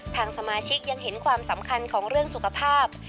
ทางสมาชิกยังเห็นความสำคัญของเรื่องสุขภาพ